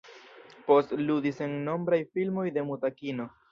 Post ludis en nombraj filmoj de muta kino.